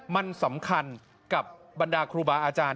มันสำคัญกับบรรดาครูบาอาจารย์